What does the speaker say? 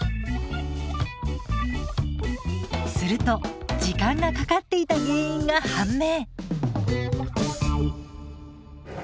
すると時間がかかっていた原因が判明。